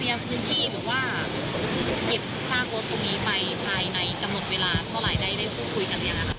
ภายในกำหนดเวลาเท่าไหร่ได้ได้คุยกันอย่างไรครับ